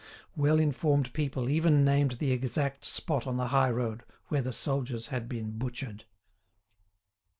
Well informed people even named the exact spot on the high road where the soldiers had been butchered.